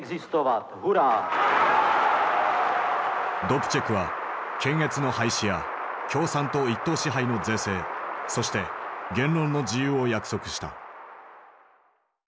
ドプチェクは「検閲の廃止」や「共産党一党支配の是正」そして「言論の自由」を約束した。